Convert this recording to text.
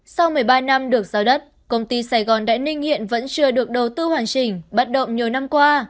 sau một mươi ba năm được giao đất công ty sài gòn đại ninh hiện vẫn chưa được đầu tư hoàn chỉnh bắt động nhiều năm qua